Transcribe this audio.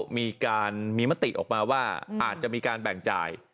มีการมีมติออกมาว่าอาจจะมีการแบ่งจ่าย